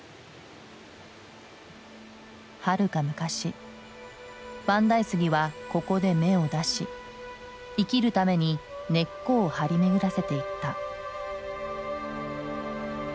はるか昔万代杉はここで芽を出し生きるために根っこを張り巡らせていった。